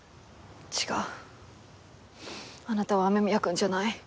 違うあなたは雨宮くんじゃない。